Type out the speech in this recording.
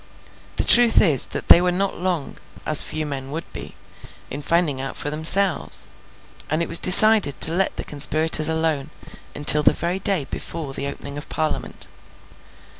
The truth is, that they were not long (as few men would be) in finding out for themselves; and it was decided to let the conspirators alone, until the very day before the opening of Parliament.